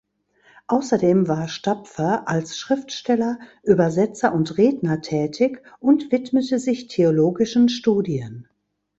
Ausserdem war Stapfer als Schriftsteller, Übersetzer und Redner tätig und widmete sich theologischen Studien.